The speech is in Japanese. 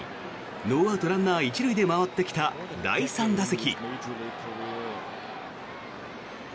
ノーアウト、ランナー１塁で回ってきた第３打席。